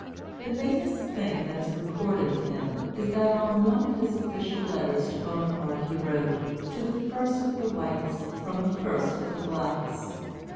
The vainest thing that is recorded of him is that on one of his official letters to Bonaparte he wrote, "To the First of the Whites, from the First of the Blacks."